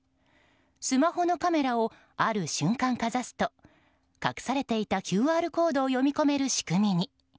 スマホのカメラをある瞬間かざすと隠されていたＱＲコードを読み込める仕組みに。